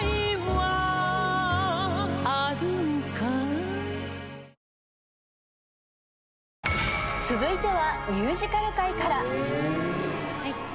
サントリー「翠」続いては、ミュージカル界から。